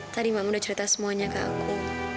tadi emak udah cerita semuanya ke aku